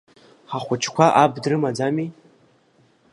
Ахәыҷкәа аб дрымаӡами?